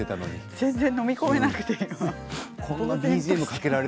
全然飲み込めなくて。